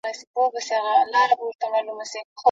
که زده کوونکی هڅاند پاتې سي، ناکامي نه غالبېږي.